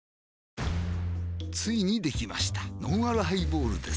ついにできましたのんあるハイボールです